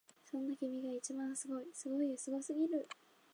そんな君が一番すごいすごいよすごすぎる！